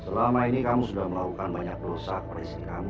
selama ini kamu sudah melakukan banyak perusahaan pada istri kamu